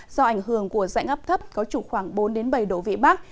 do ảnh hưởng của dạnh ấp thấp có trục khoảng bốn đến bảy độ vị bắc